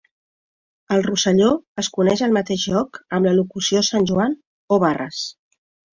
Al Rosselló es coneix el mateix joc amb la locució Sant Joan o barres.